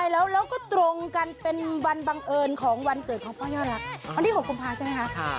แล้วก็ตรงกันเป็นวันบังเอิญของวันเกิดของพ่อยอดรักวันที่๖กุมภาใช่ไหมคะ